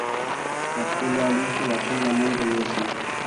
په خپلو اړیکو کې واټن له منځه یوسئ.